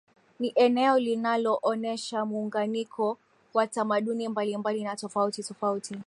Ni eneo linaloonesha muunganiko wa tamaduni mbalimbali na tofauti tofauti